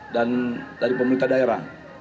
dan dari pemerintah daerah